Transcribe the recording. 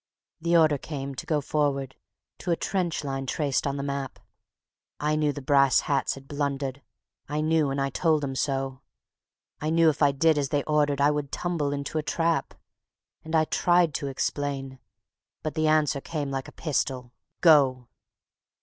The order came to go forward to a trench line traced on the map; I knew the brass hats had blundered, I knew and I told 'em so; I knew if I did as they ordered I would tumble into a trap, And I tried to explain, but the answer came like a pistol: "Go."